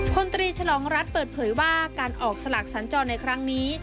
พลตรีฉลองรัฐเปิดเผยว่าการออกสลากสัญจรในครั้งนี้